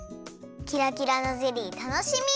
キラキラのゼリーたのしみ！